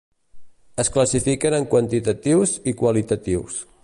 Es classifiquen en quantitatius i qualitatius.